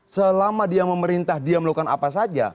selama dia memerintah dia melakukan apa saja